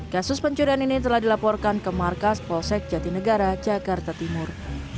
kasus pencurian ini telah dilaporkan ke markas polsek jatinegara jakarta timur